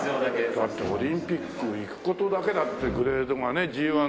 だってオリンピック行く事だけだってグレードがＧ１だから。